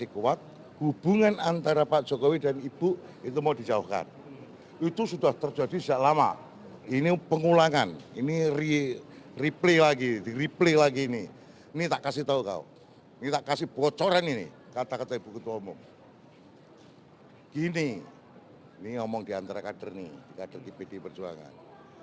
bambang pacul mengklaim bahwa relasi keduanya seperti hubungan orang tua dan anak yang tidak mungkin dipisahkan